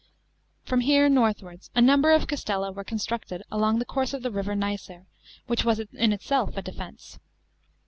From here northwards a number of castella wore constructed ..long the course of the river Nicer, which vras in itself a defence.